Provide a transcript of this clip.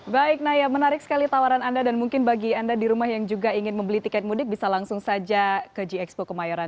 baik naya menarik sekali tawaran anda dan mungkin bagi anda di rumah yang juga ingin membeli tiket mudik bisa langsung saja ke gxpo kemayoran